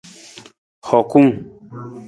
Hokung.